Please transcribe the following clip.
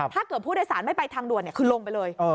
ถ้าเกิดผู้โดยสารไม่ไปทางด่วนคือลงไปเลย